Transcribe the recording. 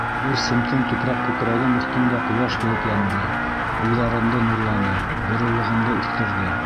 Бер семтем тупраҡ күкрәгем өҫтөндә ҡояш булып янды, уйҙарымды нурланы, ғорурлығымды үҫтерҙе.